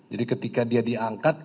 jadi ketika dia diangkat